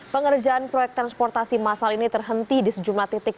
pengerjaan proyek transportasi masal ini terhenti di sejumlah titik